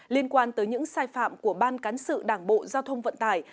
liên quan tới những sai phạm của ban cán sự đảng bộ giao thông vận tải